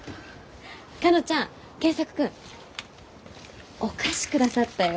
かのちゃん健作君お菓子下さったよ。